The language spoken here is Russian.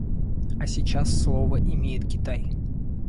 А сейчас слово имеет Китай.